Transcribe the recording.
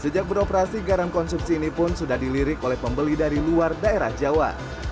sejak beroperasi garam konsumsi ini pun sudah dilirik oleh pembeli dari luar daerah jawa